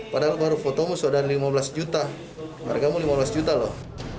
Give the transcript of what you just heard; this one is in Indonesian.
padahal baru fotomu sudah lima belas juta wargamu lima belas juta loh